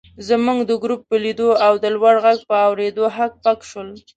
زموږ د ګروپ په لیدو او د لوړ غږ په اورېدو هک پک شول.